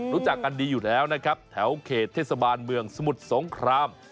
รู้จักกันดีอยู่แล้วนะครับแถวเขตเทศบาลเมืองสมุทรสงคราม